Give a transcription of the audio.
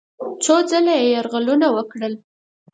څو ځله یې یرغلونه وکړل.